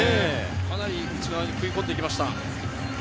かなり内側に食い込んできました。